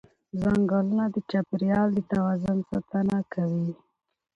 ځنګلونه د چاپېریال د توازن ساتنه کوي